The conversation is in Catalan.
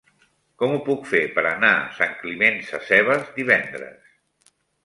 Com ho puc fer per anar a Sant Climent Sescebes divendres?